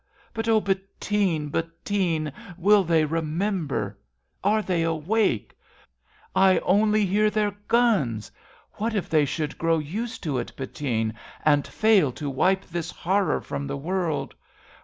But, O Bet tine ! Bettine ! will they re member ? Are they awake ? I only hear their guns. What if they should grow used to it, Bettine, And fail to wipe this horror from the world